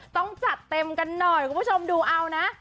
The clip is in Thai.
ต้องจัดเต็มกันหน่อยคุณผู้ชมดูเอานะ